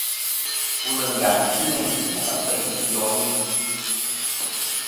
Wul ngaŋ ti meyn chwò afeyn i yoni.